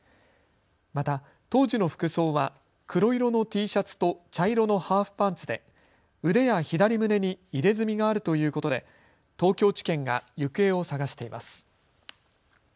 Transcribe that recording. また、当時の服装は黒色のＴシャツと茶色のハーフパンツで腕や左胸に入れ墨があるということで東京地検が行方を捜しています。